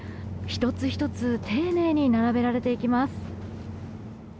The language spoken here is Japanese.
１つ１つ丁寧に並べられていきます。